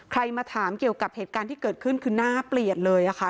มาถามเกี่ยวกับเหตุการณ์ที่เกิดขึ้นคือหน้าเปลี่ยนเลยค่ะ